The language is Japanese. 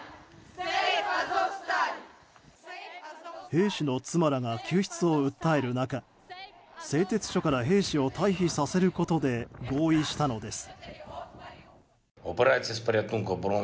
兵士の妻らが救出を訴える中製鉄所から兵士を退避させることで合意したのです。